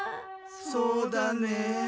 そうだね。